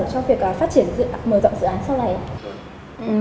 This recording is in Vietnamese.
cho việc phát triển dự án mở rộng dự án sau này